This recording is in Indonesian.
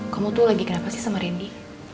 kamu tuh lagi kenapa sih sama randy